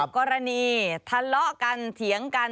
กรณีทะเลาะกันเถียงกัน